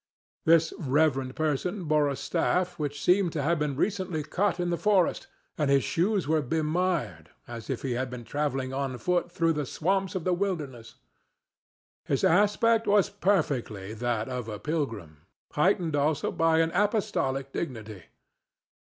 This reverend person bore a staff which seemed to have been recently cut in the forest, and his shoes were bemired, as if he had been travelling on foot through the swamps of the wilderness. His aspect was perfectly that of a pilgrim, heightened also by an apostolic dignity.